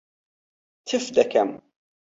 تف دەکەم.